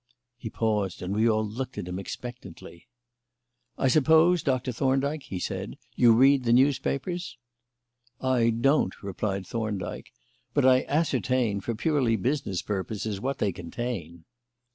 He paused, and we all looked at him expectantly. "I suppose, Doctor Thorndyke," he said, "you read the newspapers?" "I don't," replied Thorndyke. "But I ascertain, for purely business purposes, what they contain."